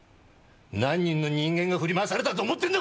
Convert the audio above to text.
何人の人間が振り回されたと思ってんだコラァ！